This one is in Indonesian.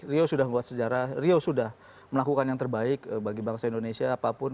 rio sudah membuat sejarah rio sudah melakukan yang terbaik bagi bangsa indonesia apapun